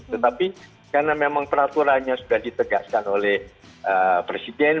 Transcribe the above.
tetapi karena memang peraturannya sudah ditegaskan oleh presiden